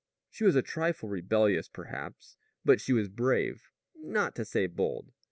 She was a trifle rebellious, perhaps. But she was brave, not to say bold.